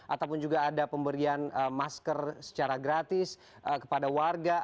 ataupun juga ada pemberian masker secara gratis kepada warga